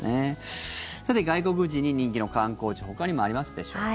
さて、外国人に人気の観光地ほかにもありますでしょうか。